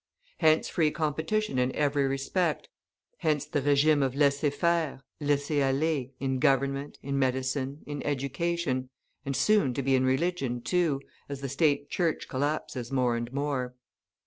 Hence free competition in every respect, hence the regime of laissez faire, laissez aller in government, in medicine, in education, and soon to be in religion, too, as the State Church collapses more and more.